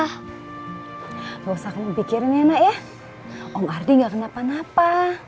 nggak usah kamu pikirin ya nak ya om ardi gak kenapa napa